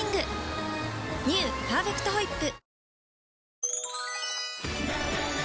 「パーフェクトホイップ」